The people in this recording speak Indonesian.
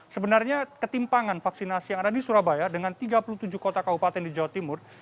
sebenarnya ketimpangan vaksinasi yang ada di surabaya dengan tiga puluh tujuh kota kabupaten di jawa timur